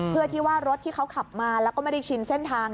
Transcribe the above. เพื่อที่ว่ารถที่เขาขับมาแล้วก็ไม่ได้ชินเส้นทาง